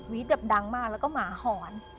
แบบดังมากแล้วก็หมาหอน